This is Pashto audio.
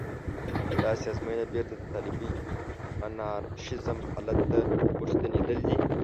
داسې ازموینه بېرته د طالبي انارشېزم حالت ته ورستنېدل دي.